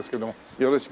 よろしく。